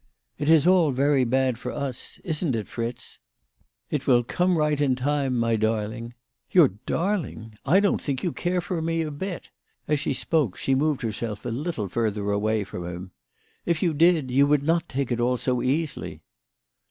"It is all very bad for us; isn't it, Fritz ?"" It will come right in time, my darling." " Your darling ! I don't think you care for me a bit." As she spoke she moved herself a little further WHY FRAU FROHMANN RAISED HER PRICES. 65 away from him. " If you did, you would not take it all so easily."